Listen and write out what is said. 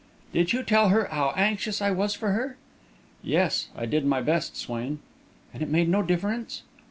"Did you tell her how anxious I was for her?" "Yes; I did my best, Swain." "And it made no difference?"